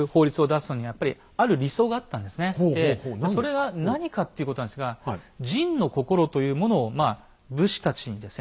それが何かっていうことなんですが「仁の心」というものをまあ武士たちにですね